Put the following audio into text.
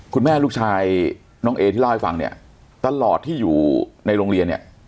คุณแม่ลูกชายน้องเอที่เล่าให้ฟังเนี่ยตลอดที่อยู่ในโรงเรียนเนี่ย